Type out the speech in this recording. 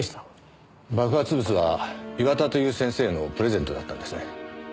爆発物は岩田という先生へのプレゼントだったんですね。